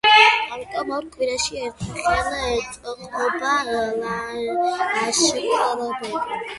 ამიტომ, ორ კვირაში ერთხელ ეწყობა ლაშქრობები.